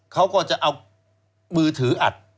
เขาก็จะเอามือถืออัด